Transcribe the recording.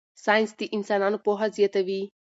ساینس د انسانانو پوهه زیاتوي.